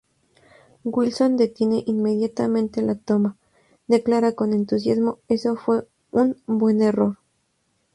Wilson detiene inmediatamente la toma, declara con entusiasmo "¡Eso fue un buen error!